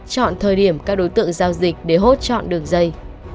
chọn thời điểm các đối tượng giao dịch để hốt chọn đường dây